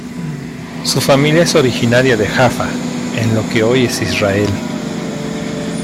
Su familia es originaria de Jaffa, en lo que hoy es Israel.